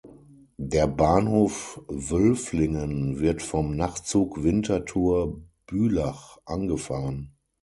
Der Bahnhof Wülflingen wird vom Nachtzug Winterthur–Bülach angefahren.